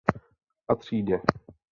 A třídě.